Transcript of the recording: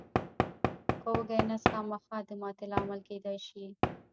خو وږی نس خامخا د ماتې لامل کېدای شي.